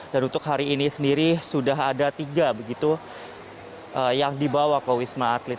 dan untuk hari ini sendiri sudah ada tiga begitu yang dibawa ke wisma atlet